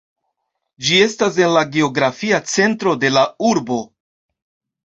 Ĝi estas en la geografia centro de la urbo.